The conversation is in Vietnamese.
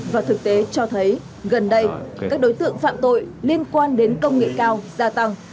và thực tế cho thấy gần đây các đối tượng phạm tội liên quan đến công nghệ cao gia tăng